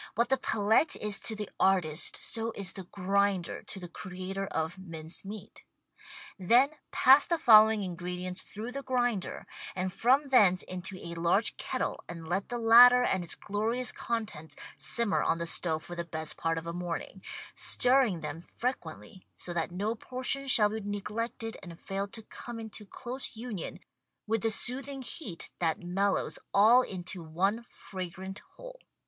What the palette is to the artist so is the grinder to the creator of mince meat. Then pass the following ingredients through the grinder, and from thence into a large kettle and let the latter and its glorious contents simmer on the stove for the best part of a morning, stirring them fre quently so that no portion shall be neglected and fail to come into close union with the soothing heat that mellows all into one fragrant whole.